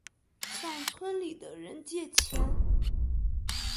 向村里的人借钱